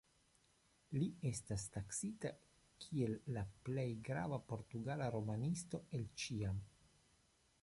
Li estas taksita kiel la plej grava portugala romanisto el ĉiam.